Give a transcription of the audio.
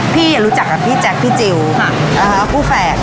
รู้จักกับพี่แจ๊คพี่จิลคู่แฝด